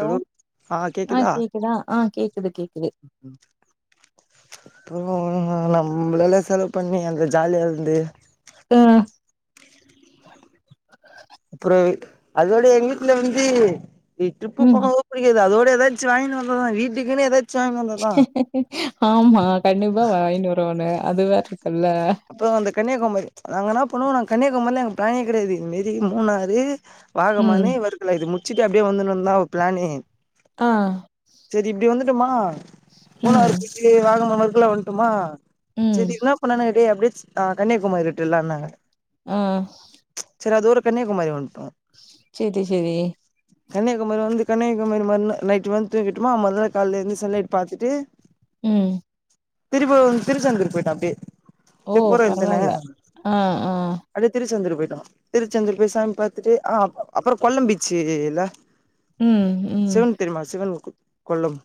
Hello ஆ கேக்குதா ஆ கேக்குது கேக்குது அப்புறோ நம்மளல்லா செலவு பண்ணி அந்த ஜாலியா இருந்து ம் அப்புறோ அதோட எங்க வீட்ல வந்து ட்ரிப்பு ம் போன புடிக்கது அதோட எதாச்சு வாங்கினு வந்தாதா வீட்டுக்குன்னு எதாச்சு வாங்கினு வந்தா தா ஆமா கண்டிப்பா வாங்கினு வரவன்னு அதுவே இரு அப்புறோ அந்த கன்னியாகுமரி நாங்க என்ன பண்ணுவோ நாங்க கன்னியாகுமாரில எங்க பிளானே கெடையாது இது மாரி மூணாறு ம் வாகமானு வர்கலை இது முச்சுட்டு அப்டியே வந்துணும்னு தா ஒரு பிளானு ஆ க்குமா ம் மூணாரு போய்ட்டு வாகமா வர்கலா வந்ட்டுமா ம் செரி என்ன பண்ணாங் ப்ப அப்டியேச் அ கன்னியாகுமாரில விட்ரலான்னாங்க ஆ செரி அது ஒரு கன்னியாகுமாரி வந்த்ட்டோ செரி செரி கன்னியாகுமாரி வந்து கன்னியாகுமாரி மறு ந நைட்டு வந்த்ட்டு தூங்கிட்டுமா மற்நாள் கால்ல எந்தருசவொட்னே சன்லைட் பாத்துட்டு ம் திருப்பவோ திருச்செந்தூர்க்கு போயிட்ட அப்டியே ஓ அப்டியே போற வழித்தானே பரவால்ல ஆ ஆ அப்டியே திருச்செந்தூர் போய்ட் தா திருச்செந்தூர் போய் சாமி பாத்துட்டு ஆ அப் அப்புறோ கொல்லம் பீச்சு இல்ல ம் ம் சிவன் தெரியுமா சிவன் கொல்லம்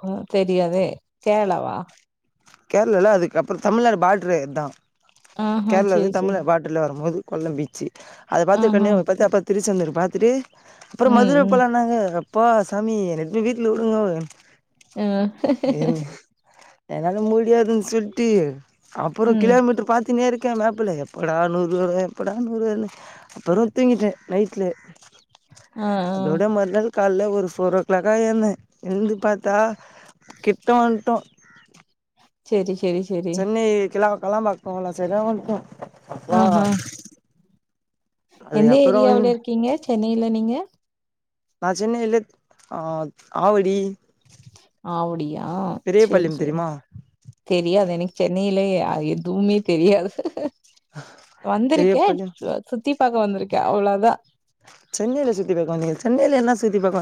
ஹ தெரியாதே கேரளாவா கேரளால அதுக்கு அப்புறோ தமிழ்நாடு பாட்ரு அதா ஆஹா கேரளா இது சேரி தமிழ் சேரி நாடு பாடுர்ல வரும் போது கொல்லம் பீச்சு அத பாத்துட்டு ஆஹா கண்யாகுமாரி பாத்து அப்றோ திருச்செந்தூரு பாத்துட்டு அப்புறோ ம் மதுர ம் போலானாங்க அப்பா சாமி என்ன போய் வீட்ல விடுங்கோ ம் என்னால முடியாதுன்னு சொல்ட்டு அப்புறோ ம் கிலோமீட்ரு பாத் தனியா இருக்கே மேப்புல எப்படா நூறு எப்படா நூறு வரூனு அப்புறோ தூங்கிட்டே நைட்லே ஆ ஆ அதோட மறுநாள் கால்ல ஒரு ஃபோர் ஓ க்ளாக்தா எழ்ந்தே எழ்ந்து பாத்தா கிட்ட வன்டோ சேரி சேரி சேரி சென்னை கிளாம்பாக்கோலா பக்கோ உள்ள சைடுலா வன்டோ அப்றோ ஆஹா எந்த ஏரியாவுல இருக்கீங்க சென்னையில நீங்க நா சென்னைல அ ஆவடி ஆவுடியா செரி பெரியபாளையம் செரி தெரியுமா தெரியாது எனக் சென்னையில அ எதுவுமே தெரியாது வந்திருக்கே பெரியபாளையம் சுத்தி பாக்க வந்துருக்கே அவ்ளோதா சென்னையில சுத்தி பாக்க வந்தீங்களா சென்னனயில என்ன சுத்தி பாக்க வந்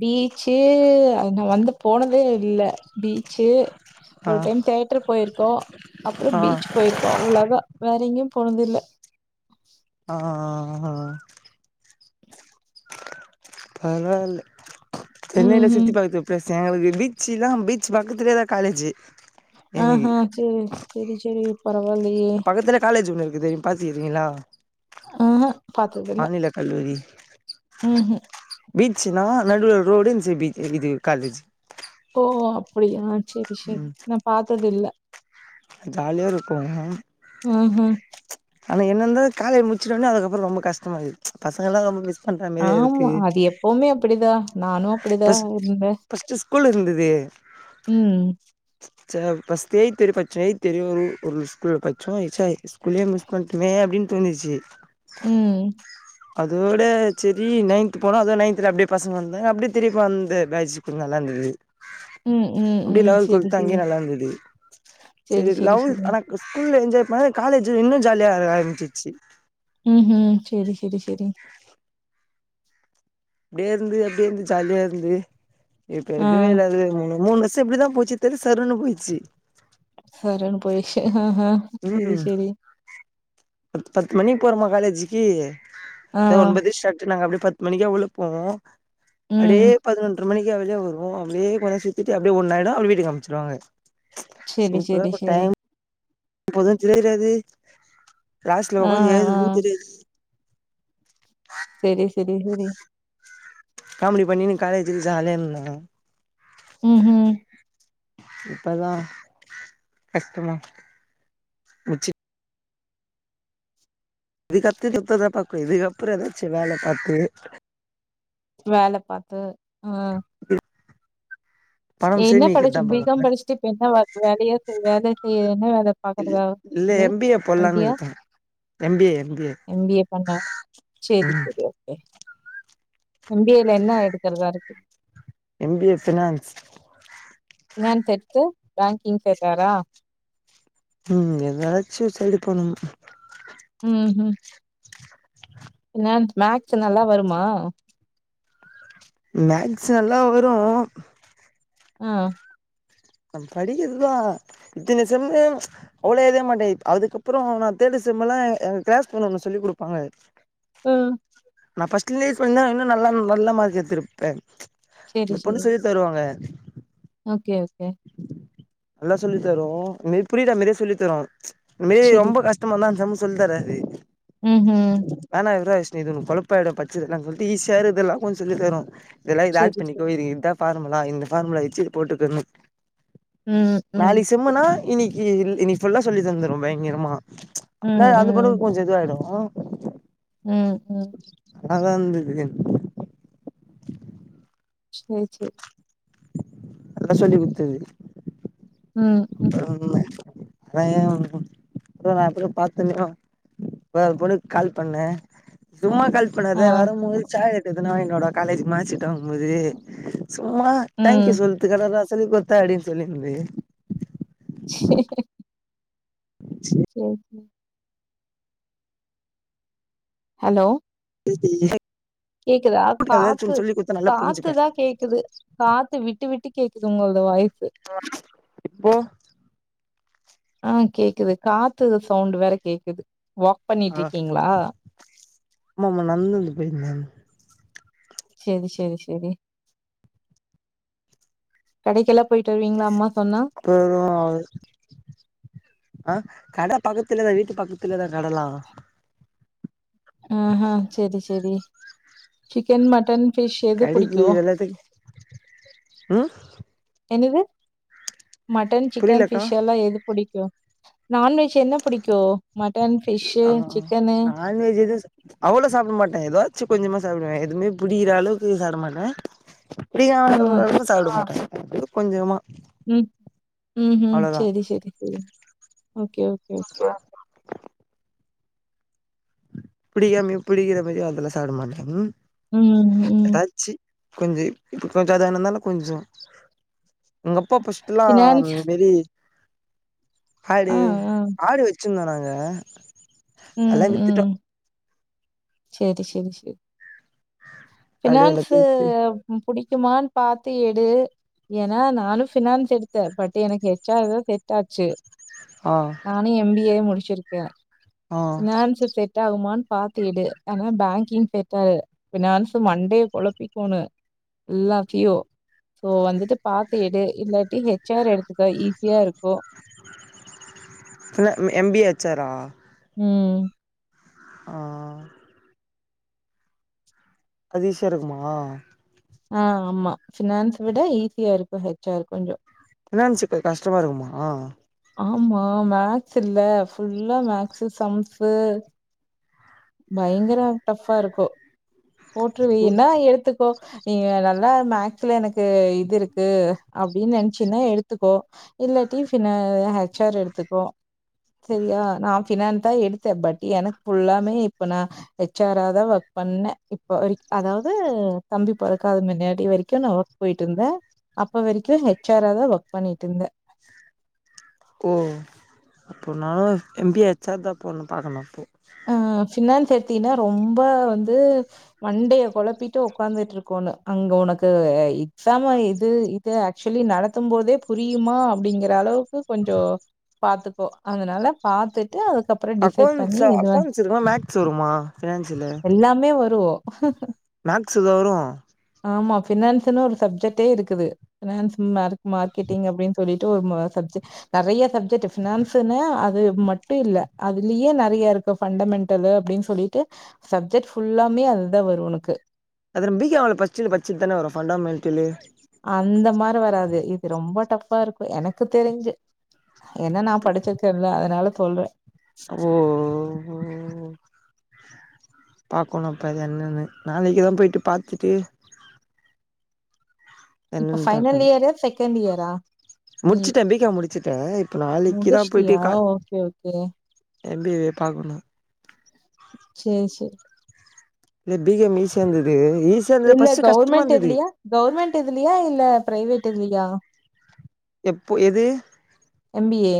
பீச்சு அது நா வந்து போனதே இல்ல பீச்சு ஆ ஒரு டைம் தியேட்டர் போயிருக்கோ அப்புறோ ஆ பீச் போயிருக்கோ அவ்ளோதா வேற எங்கயும் போனது இல்ல ஆ ஆ அஹ பரவாயில்ல சென்னையில ம்ஹ்ம். சுத்தி பாக்குறதுக்கு பிலேஸ் எங்குளுக்கு பீச்சுலா பீச் பக்கத்துலேயேதா காலேஜு ஆ எனக்கு ஹா செரி செரி செரி பக்கத்துலே காலேஜு ஒண்ணு இருக்குது நீங்க பாத்து இருக்றீங்களா ஆஹா பாத்ததில்ல. மாநில கல்லூரி ம்ஹ்ம். பீச்சுனா நடுவுல ரோடு இந்த சைடு பீச் இது காலேஜு ஓ அப்புடியா செரி செரி ம் நா பாத்தது இல்ல ஜாலியா இருக்கோ ம்ஹ்ம். ஆனா என்ன இர்ந்தாலோ காலேஜ் முடிச்சிட்டவொன்னே அதுக்கப்புறோ ரொம்போ கஷ்டமாற்க்குது பசங்களா ரொம்ப மிஸ் பண்றா மேரியா இருக்கு ஆமா. அது எப்பவுமே அப்படிதான். நானும் அப்படிதான் பஸ்ட் இருந்தேன். பஸ்ட்டு ஸ்கூல் இர்ந்துது ம், சா பஸ்ட்டு எய்த் வெர்யோ பச்சே எய்த் வெர்யோ ஒரு ஸ்கூல பச்சோ ஸ்கூலே மிஸ் பண்ட்டுமே அப்டீன் னு தோனூச்சி ம். அதோட செரி நைன்த் போனா அதோட நைன்தல அப்டியே பசங்க வந் னா அப்டீயே திருப்பி வந்தே பேட்ச் கொஞ்சோ நல்லா இர்ந்துது ம், ம், அப்டியே ம். லெவல்த்து சரி, ட்டுவல்த் சரி. அங்கேயே நல்லா இர்ந்துது சரி, செரி சரி, லெவல் சரி. ஆனாக் ஸ்கூல்ல ந்த மாரி காலேஜு இன்னோ ஜாலியா ஆர ஆரம்பிச்சிர்ச்சு செரி செரி அப்டியே இர்ந்து அப்டியே இர்ந்து ஜாலியா இர்ந்து இப்ப ஆ எதுவுமே இல்லாது மூணு மூணு லட்ச் ச எப்டிதா போச்சு தெர்ல சர்ருன்னு போயிச்சு சர்ன்னு போயிருச்சு செரி ம் செரி பத் பத்து மணிக் போறோமா காலேஜிக்கி ஆ. சோ ஒன்பது ஷாட்டு நாங்க அப்டியே பத் து மணிக்கா உள்ளப்போவோ ம். அப்டியே பதினொன்ற பத்து மணிக்கா வெளிய வருவோ அப்டியே கொஞ்சோ நேர சுத்திட்டு அப்டியே ஒன்ன ஆயிடு அப்டியே வீட்டுக்கு அனுப்ச்சுருவாங்க செரி செரி செரி எப்போது தெரிறாது லாஸ்ட்ல ஆ, உக்காந்து ஆ. எழுதுன்ன தெரியாது செரி செரி செரி காமிடி பண்ணின்னு காலேஜ்ல ஜாலியாருந்த ம் ம் இப்பதா கஷ்டமா முச்சிட் இது கத்து மத்ததா பாக்க இதுக்கப்றோ ஏதாச்சு வேல பாத்து வேல பாத்து ம் ம் பணம் என்னா படிச்சு சேமிக்கதா பி கம் பாக்கனு படிச்சுட்டு இப்ப என்னா வேலயா செய் வேல செய்ய என்ன வேல பாக்குறதா அடுத்து எம் பி ஏ போலான்னு இருக்கே M B A B M B A பண்ண சேரி ம் சேரி ஓகே எம் பி ஏ ல என்ன எடுக்கிறதா இருக்கு M B A finance finance எடுத்து பேங்கிங் செட்டாரா ம் எதாச்சு சைடு பண்ணனு ம் ஹம் பினான் மேக்ஸ்ஸு நல்லா வருமா மேக்ஸ் நல்லா வரு அ ந படிக்கிறதுதா இத்தன செம்மு அவ்ளோ எழுத மாட்டே அதுக்கப்பறோ நா தேடடு செம்மேல்லா அ கிளாஸ் போண்ண ஒன்னு சொல்லி் குடுப்பாங்க ம் நா ஃபர்ஸ்டுலியே சொல்லிந்த இன்னு நல்லா நல்ல மார்க்கு எடுத்துருப்பே சரி, இந்த சரி. பொண்ணு சொல்லி தருவாங்க ஓகே ஓகே நல்லா சொல்லி தரு இன்மேறி புரியிற மாரியே சொல்லி தரு இன்மேற் சரி. ரொம்ப கஷ்டமாருந்த அந்த சம் சொல் தராது ம்ஹ்ம். வேணா [unintelligible] இது உனக்கு கொழப்பய்டு பச்சதுல்லா சொல்ட்டு ஈசியா இருக்கதெல்லா கொஞ் சொல்லி தரு இதெல்லா இது ஆட் சரி, பண்ணிகோ சரி. இது இதா ஃபார்முலா இந்த ஃபார்முலா வச்சு போட்டுக்கன்னு ம், ம். நாளைக்கு செம்மனா இன்னைக் கி இன் இன்னக்கி ஃபுல்லா சொல்லி தந்துரு பயங்கரமா அப்புல்லா ம், அந்த ம். பொண்ணுக்கு கொஞ்சோ இது ஆயிடு [inaudible] ம் ம் நல்லருந்து [inaudible] சேரி சே நல்ல சொல்லி குடுத்துது ம், ம். [inaudible] எதோ நேரத்துக்கு பாத் [unintelligible] இப்ப அந்த பொண்ணுக்கு கால் பண்ணே சும்மா கால் ஆ. பண்ணாத வரமோது சாக்லெட் எதுனா வாங்கிட்டு வாடா காலேஜ்ஜீக்கு மார்க் சீட் வாங்குமோது சும்மா தேங்க்யூ ம். சொல்றதுக்கடா நா சொல்லி குடுத்தன் அப்டின் சொல்லின்னுதே ச சேர் சே ஹலோ இது [inaudible] கேக்குதா காத்து குடுத்தா நல்லா புரிஞ்சுப்பே காத்துதா கேக்குது காத்து விட்டு விட்டு கேக்குது உங்கல்து வாய்ஸ் ஆ போ ஆ கேக்குது காத்து சவுண்ட்டு வேற கேக்குது வாக் பண்ணிட்க்கீங்களா ஆமாமா நந்தந்து போயிந்தே சேரி சேரி சேரி கடைக்கெல்லா போயிட்டு வருவீங்களா அம்மா [unintelligible] சொன்னா? கட பக்கத்துலதா வீட்டு பக்கத்துலதா கடலா ஆ செரி செரி சிக்கன் மட்டன் ஃபிஷ் எது கடைக்கு புடிக்கு எல்லாத்துக்கு ம் என்னது மட்டன் சிக்கன் புரியலக்கா பிஷ் எல்லா எது புடிக்கு நான்வெஜ் என்ன புடிக்கு தோ மட்டன் ஃபிஷ்ஷு ஆ சிக்கனு நான்வெஜ் எதுவு அவ்ளோ சாப்ட மாட்டே எதாச்சு கொஞ்சமா சாப்டுவே எதுமே புடிக்கிற அளவுக்கு சாப்ட மாட்டே புடிக்கிற ம், அளவுக்கு சாப்ட மாட்டே எதோ கொஞ்சமா ம் ம் அவ்ளோதா செரி செரி ஓக்கே ஓக்கே புடிக்காமே புடிக்கிற மாதரியு அதெல்லா சாப்ட மாட்டே ம், ம். எதாச்சு கொஞ்ச இப்ப எதுனாந்தாலு கொஞ்ச உங்க அப்பா ஃபர்ஸ்ட்ட்லா ஃபினான்ஸ் வெரி ஆடு ஆ, ஆ. ஆடு வச்சிருந்தோ நாங்க அதல்லா வித்துட்டோ சேரி சேரி சேரி ஆடு ஃபினான்ஸு எல்லாத்தையு வித்து புடிக்குமான்னு பாத்து எடு ஏன்னா நானும் ஃபினான்ஸ் எடுத்தே பட் எனக்கு ஹச்ஆர்தா செட்டாச்சு ஆ நானு எம்பிஏ முடிச்சிருக்கே ஆ ஃபினான்ஸ் செட் ஆகுமானு பாத்து எடு ஆனா பேங்க்கிங் பெட்டரு ஃபினான்ஸ் மண்டய குழப்பிக்கோனு எல்லாத்தியு சோ வந்துட்டு பாத்து எடு இல்லாட்டி ஹெச்ஆர் எடுத் க்கோ ஈஸியா இருக்கு இல்ல எம் பி ஏ ஹெச் ஆரா ம் ஆ அது ஈஸியா இருக்குமா ஆ ஆமா ஃபினான்ஸ்ஸ விட ஈஸியா இருக்கு ஹெச் ஆர் கொஞ்ச ஃபினான்ஸ் இப்ப கஷ்ட்டமா இருக்குமா ஆமா மேக்ஸ் இல்ல ஃபுல்லா மேக்ஸு சம்ஸு பயங்கர டஃப்பா இருக்கு போட்ருவீயன்னா எடுத்துக்கோ நீ நல்லா மேக்ஸ்ல எனக்கு இது இருக்கு அப்டின்னு நெ னச்சின்னா எடுத்துக்கோ இல்ல ட்டி பினா ஹெச்ஆர் எடுத்துக்கோ சரியா நா ஃபினான் தா எடுத்த பட் எனக்கு ஃபுல்லாமே நா ஹெச் ஆர் தா ஒர்க் பண்ணே இப்ப அதாவது தம்பி பொறக்காதது மின்னாடி வரைக்கு க்கு நா ஒர்க் போய்ட்டு இருந்தே அப்ப வரைக்கு ஹெச் ஆரா தா ஒர்க் பண்ணிட்டு இருந்தே ஓ அப்போ நானு எம்பிஏ ஹெச் ஆர் தா போண்ணு பாக்கணு அப்போ ஆ ஃபினான்ஸ் எடுத்தினா ரொம்ப வந்து மண்டய கொழப்பிட்டு உக்காந்துட்டு இருக்கோனு அங்க உனக்கு எக்ஸாம் இது இது ஆக்சுவலி நடத்தும் போதே புரியுமா அப்டிங்கிற அளவுக்கு கொஞ்சோ பாத்துக்கோ அதனால பாத்துட்டு அதுக்கப்பற டிசைட் பண்ணி இது வந்து- அக்கவுன்ஸ் இருக்மா மேக்ஸ் வருமா ஃபினான்ஸிலு எல்லாமே வரு மேக்ஸ் இதா வரு ஆமா ஃபினான்ஸ்ன்னு ஒரு சப்ஜெட்டே இருக்குது ஃபினான்ஸ் ம மார்கெட்டிங்க் அப்டின்னு சொல்லி ஒரு சப்ஜெ நெறய சப்ஜெக்ட்டு ஃபினான்ஸ்ன்னு அது அது மட்டு இல்ல அதுலேயே நெறய இருக் பண்டமென்ண்டலு அப்டின்னு சொல்லிட்டு சப்ஜெக்ட் ஃபுல்லாமே அதுதா வரு உனக்கு அதுல பிகாம்ல பச்சது பச்சது தான வறோ பண்டாமென்ண்டலு அந்த மாரி வராது இது ரொம்ப டஃபா இருக்கு எனக்கு தெரிஞ்சு ஏனா நா படிச்சிருக்கேன்ல்ல அதனால சொல்றே ஓ ம் பாக்குணு அப்ப அது என்னன்னு நாளைக்குதா போயிட்டு பாத்துட்டு இப்ப என்னன்னு ஃபைனல் இயரா செகண்ட் இயரா நீ முட்ச்சிட்டே பீக்காம் முடிச்சுட்டே இப்ப நாளைக்குதா போயிட்டு முடிச்சிட்டியா? கா okay, okay. M B A பாக்கணு செரி செரி இது பீ காம் ஈஸியா இருந்தது ஈஸியா இருந்தது இல்ல ஃபஸ்ட்டு கஷ்டமா கவர்மெண்ட் இருந்தது இதுலையா கவர்மெண்ட் இதுலையா இல்ல பிரைவேட் இதுலையா எப்போ எது M B A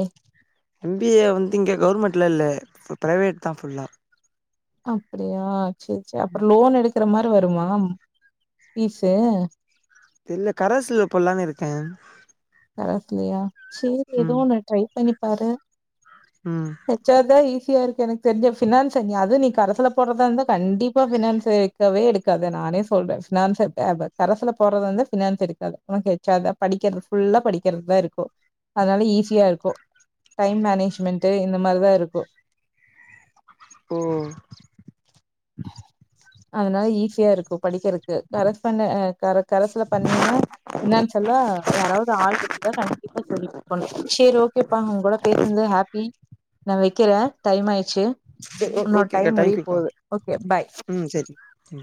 M B A வந்து இங்க கவர்மெண்ட்ல இல்ல பிரைவேட் தா புல்லா அப்படியா செரி செரி அப்புறோ லோன் எடுக்கற மார் டு வருமாம் பீசு தெரில கரஸ்ல போட்லான்னு இருக்கே கரஸ்லையா செரி எதோ ம் ஒன்னு ட்ரை பண்ணி பாரு ம் ஹெச் ஆர் தா இசி யா இருக்கு எனக்கு தெரி்ஞ்ச பினான்ஸ் அது நீ கரசுல போடுறதா இருந்த கண்டிப்பா பினான்ஸ் எடுக்கவே எடுக்காத ந நானே சொல்றே பினாஸ் எடுக்காத கரஸ்ல போடுறத இருந்த பினான்ஸ் எடுக்காத ஹெச் ஆர் தா படிக்கிறது ஃபுல்லா படிக்கிறதுதா இருக்கு அதனால ஈஸியா இருக்கு டைம் மேனேஜ்மென்ட்டு இந்த மாரிதா இருக்கு ஓ அதனால ஈஸியா இருக்கு படிக்கிறதுக்கு கரஸ் பண்ண ஆ கரஸ் கரஸ்ல பண்ணினா பினாஸ்யல்லா யாராவது ஆள் வச்சு இத கண்டிப்பா சொல்லிட்டு பன்னு செரி ஓ ஓகேப்ப உங்க கூட பேசனதுல ஹாப்பி நா வைக்கிறே டைம் ஆ ச்சு உன்னோட ஓகேக்கா டைம் முடிய தேங்க்யூக்கா போகுது ஓகே பாய் ம் சரி ம்